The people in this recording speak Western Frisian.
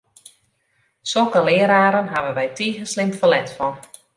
Sokke leararen hawwe wy tige slim ferlet fan!